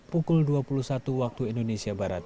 pukul dua puluh satu waktu indonesia barat